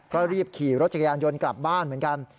ก็รีบขี่รถจักรยานยนต์กลับบ้านเหมือนกัน